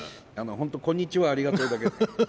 本当「こんにちは」「ありがとう」だけ。